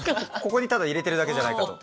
ここにただ入れてるだけじゃないかと。